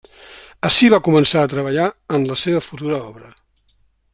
Ací va començar a treballar en la seua futura obra.